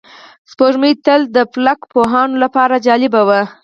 سپوږمۍ تل د فلک پوهانو لپاره جالبه وه